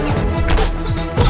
baik kub difficu